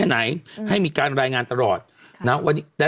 ตราบใดที่ตนยังเป็นนายกอยู่